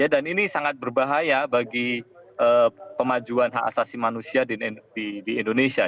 dan ini sangat berbahaya bagi pemajuan hak asasi manusia di indonesia